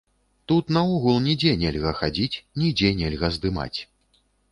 Тут наогул нідзе нельга хадзіць, нідзе нельга здымаць.